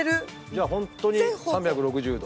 じゃあ本当に３６０度。